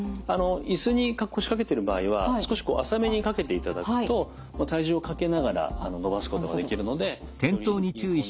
椅子に腰掛けてる場合は少し浅めに掛けていただくと体重をかけながら伸ばすことができるのでより有効に。